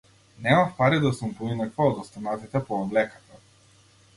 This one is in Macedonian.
Немав пари да сум поинаква од останатите по облеката.